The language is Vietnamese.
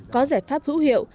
có giải pháp hữu hiệu